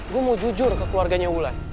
gue mau jujur ke keluarganya wulan